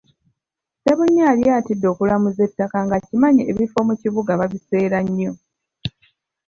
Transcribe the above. Ssebunya yali atidde okulamuza ettaka nga akimanyi ebifo mu kibuga babiseera nnyo.